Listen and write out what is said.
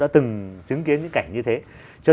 đã từng chứng kiến những cảnh như thế cho